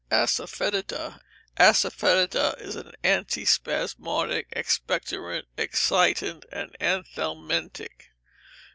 Asafoetida Asafoetida is an antispasmodic, expectorant, excitant, and anthelmintic.